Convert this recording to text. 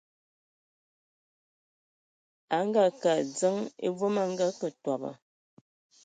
A ngaake a adzəŋ e voom a akǝ tɔbɔ.